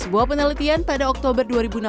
sebuah penelitian pada oktober dua ribu enam belas